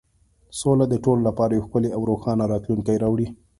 سوله د ټولو لپاره یو ښکلی او روښانه راتلونکی راوړي.